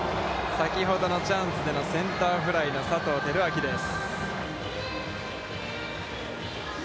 先ほどのチャンスでのセンターフライの佐藤輝明です。